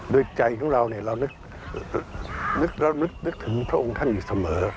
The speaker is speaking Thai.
โดยใจของเราเรานึกถึงพระองค์ท่านอยู่เสมอ